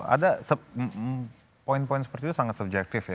ada poin poin seperti itu sangat subjektif ya